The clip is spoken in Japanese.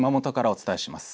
お伝えします。